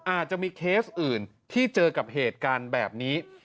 อาจจะมีเคสอื่นที่เจอกับเหตุการณ์แบบนี้